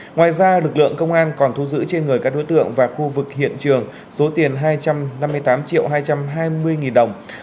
ngoài ra lực lượng công an còn thu giữ trên người các đối tượng và khu vực hiện trường số tiền hai trăm năm mươi tám triệu hai trăm hai mươi nghìn đồng